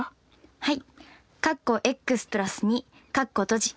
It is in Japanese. はい。